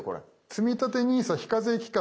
つみたてＮＩＳＡ非課税期間